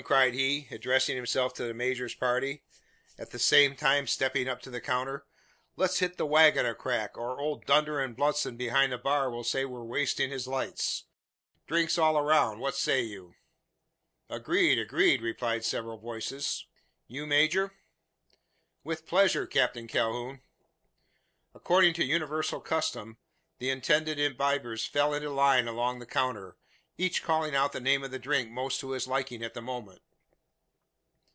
cried he, addressing himself to the major's party, at the same time stepping up to the counter; "let's hit the waggon a crack, or old Dunder und blitzen behind the bar will say we're wasting his lights. Drinks all round. What say you?" "Agreed agreed!" replied several voices. "You, major?" "With pleasure, Captain Calhoun." According to universal custom, the intended imbibers fell into line along the counter, each calling out the name of the drink most to his liking at the moment.